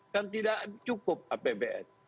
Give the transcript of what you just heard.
kan tidak cukup apbn